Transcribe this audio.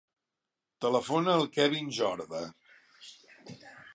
Telefona al Kevin Jorda.